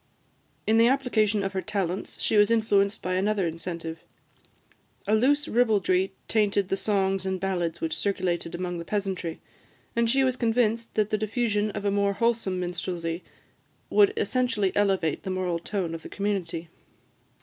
In the application of her talents she was influenced by another incentive. A loose ribaldry tainted the songs and ballads which circulated among the peasantry, and she was convinced that the diffusion of a more wholesome minstrelsy would essentially elevate the moral tone of the community.